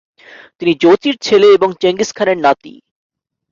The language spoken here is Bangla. তিনি জোচির ছেলে এবং চেঙ্গিস খানের নাতি।